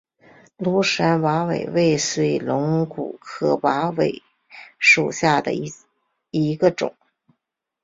庐山瓦韦为水龙骨科瓦韦属下的一个种。